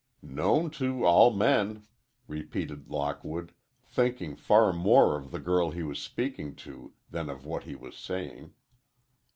"Known to all men," repeated Lockwood, thinking far more of the girl he was speaking to than of what he was saying.